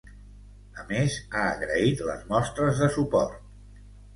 A més, ha agraït les mostres de suport.